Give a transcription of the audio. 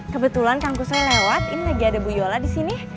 kebetulan kang kusoy lewat ini lagi ada bu yola disini